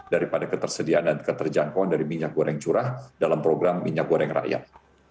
daripada ketersediaan dan keterjangkauan dari minyak goreng curah dalam program minyak goreng rakyat